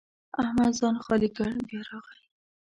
احمد ځان خالي کړ؛ بیا راغی.